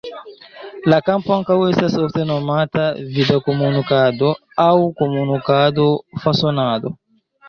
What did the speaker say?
La kampo ankaŭ estas ofte nomata "Vida Komunikado" aŭ "Komunikad-fasonado".